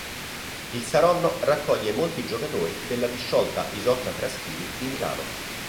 Il Saronno raccoglie molti giocatori della disciolta "Isotta Fraschini" di Milano.